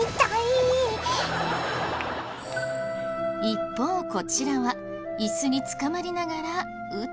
一方こちらはイスにつかまりながらウトウト。